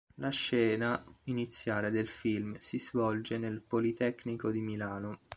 La scena iniziale del film si svolge nel Politecnico di Milano.